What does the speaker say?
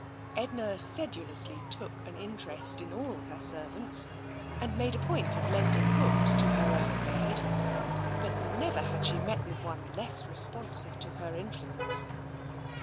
Edna sedulously " took an interest '* in all her servants, and made a point of lending books to her own maid, but never had she met with one less responsive to her influence.